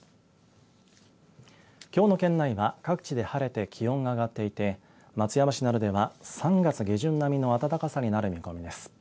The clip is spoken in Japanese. きょうの県内は各地で晴れて気温が上がっていて松山市などでは３月下旬並みの暖かさになる見込みです。